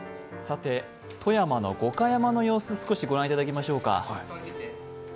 富山の五箇山の様子を少し御覧いただきましょうか。